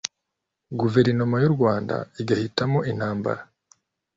guverinoma y'u rwanda igahitamo intambara